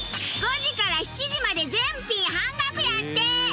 ５時から７時まで全品半額やって！